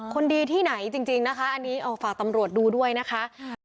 คนดีที่ไหนจริงนะคะอันนี้เอาฝากตำรวจดูด้วยนะคะ